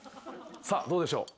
さあどうでしょう？